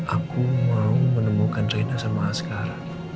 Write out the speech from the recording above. aku mau menemukan rina sama askar